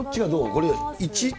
これ、１？